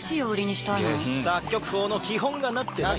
作曲法の基本がなってない。